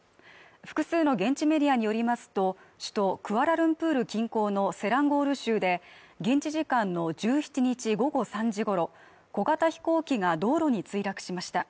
複数の現地メディアによりますと首都クアラルンプール近郊のセランゴール州で現地時間の１７日午後３時ごろ小型飛行機が道路に墜落しました